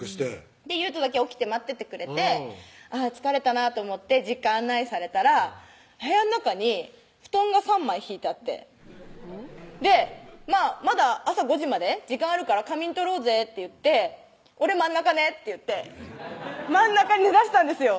祐人だけ起きて待っててくれてあぁ疲れたなと思って実家案内されたら部屋の中に布団が３枚ひいてあってで「まだ朝５時まで時間あるから仮眠取ろうぜ」って言って「俺真ん中ね」って言って真ん中に寝だしたんですよ